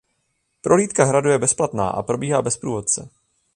Prohlídka hradu je bezplatná a probíhá bez průvodce.